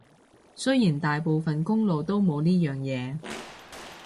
雖然大部分公路都冇呢樣嘢